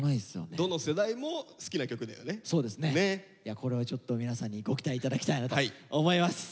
これはちょっと皆さんにご期待頂きたいなと思います。